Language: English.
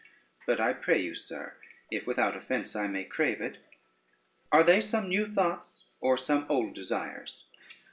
But I pray you, sir, if without offence I may crave it, are they some new thoughts, or some old desires?"